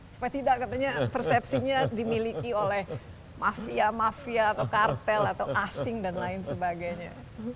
supaya tidak katanya persepsinya dimiliki oleh mafia mafia atau kartel atau asing dan lain sebagainya